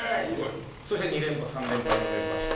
そして２連覇３連覇４連覇して。